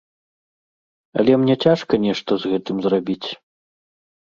Але мне цяжка нешта з гэтым зрабіць.